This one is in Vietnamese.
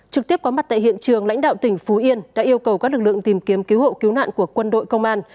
trực tiếp có mặt tại hiện trường lãnh đạo tỉnh phú yên đã yêu cầu các lực lượng tìm kiếm cứu hộ cứu nạn của quân đội công an